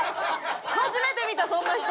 初めて見たそんな人！